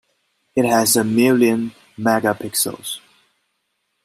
It has a million megapixels.